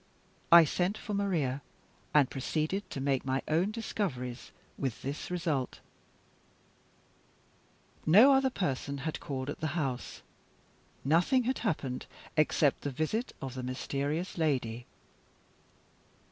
I sent for Maria, and proceeded to make my own discoveries, with this result: No other person had called at the house. Nothing had happened, except the visit of the mysterious lady.